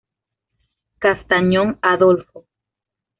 Castañón, Adolfo.